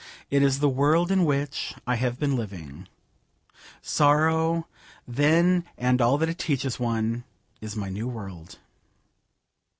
It is the world in which I have been living. Sorrow, then, and all that it teaches one, is my new world.